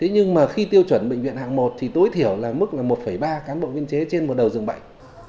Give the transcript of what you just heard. nhưng khi tiêu chuẩn bệnh viện hạng một tối thiểu mức là một ba cán bộ biên chế trên một đầu dường bệnh